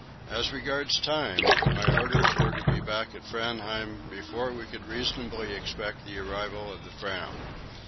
As regards time, my orders were to be back at Framheim before we could reasonably expect the arrival of the Fram.